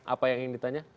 apa yang ingin ditanya